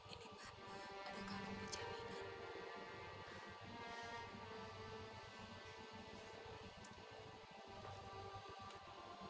ini mbak ada kalung pinjam ini